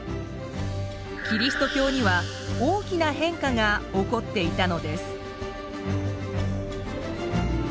キリスト教には大きな変化が起こっていたのです。